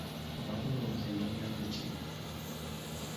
Obadde olowooza njogera ku ki?